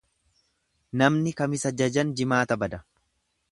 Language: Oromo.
Namni kamisa jajan jimaata bada.